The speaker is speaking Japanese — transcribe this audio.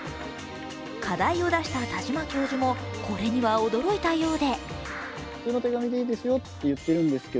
課題を出した田島教授もこれには驚いたようで。